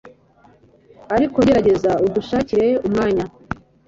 ariko gerageza udushakire umwanya